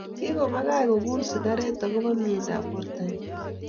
Kikobakach kokul sikaret akoba miendap borto nyi